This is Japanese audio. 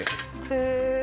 へえ。